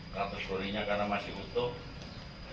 katus gorinya karena masih utuh